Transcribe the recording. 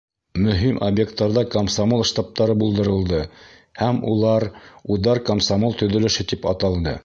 Мөһим объекттарҙа комсомол штабтары булдырылды, һәм улар удар комсомол төҙөлөшө тип аталды.